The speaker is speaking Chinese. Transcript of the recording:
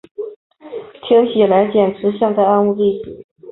听起来简直像在安慰自己